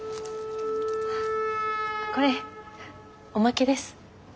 これおまけです。